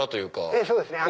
ええそうですね。